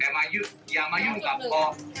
แต่อย่ามายุ่งกับฐานายกองทัพธรรม